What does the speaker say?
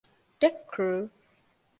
ޑެކްކުރޫ